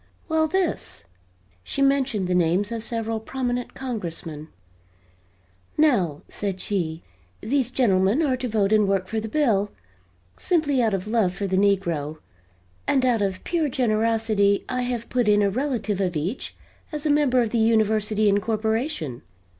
"Well, this." She mentioned the names of several prominent Congressmen. "Now," said she, "these gentlemen are to vote and work for the bill, simply out of love for the negro and out of pure generosity I have put in a relative of each as a member of the University incorporation.